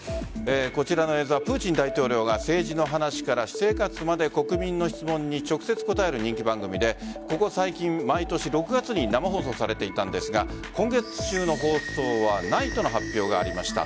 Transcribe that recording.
こちらの映像はプーチン大統領が政治の話から私生活まで国民の質問に直接答える人気番組でここ最近、毎年６月に生放送されていたんですが今月中の放送はないとの発表がありました。